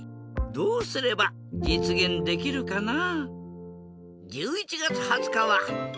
どうすればじつげんできるかな？